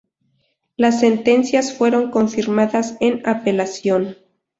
Las sentencias fueron confirmadas en apelación.